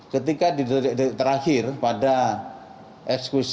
ketika di terakhir pada eksekusi terpidana mati tersebut